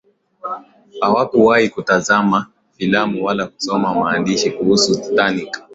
hakuwahi kutazama filamu wala kusoma maandishi kuhusu titanic